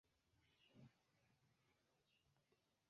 Li lekciis ankaŭ latinan literaturon, filologion kaj historion.